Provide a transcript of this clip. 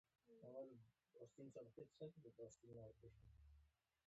د پښتو په لیکلو کي ګرامر ته دقیقه توجه وکړئ!